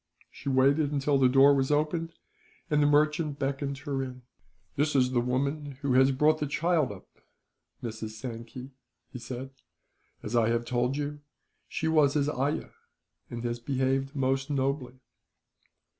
She waited until the door was opened, and the merchant beckoned her in. "This is the woman who has brought the child up, Mrs. Sankey," he said. "As I have told you, she was his ayah, and has behaved most nobly."